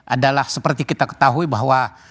adalah seperti kita ketahui bahwa